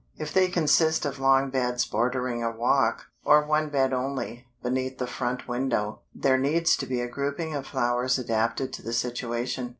If they consist of long beds bordering a walk, or one bed only, beneath the front window, there needs to be a grouping of flowers adapted to the situation.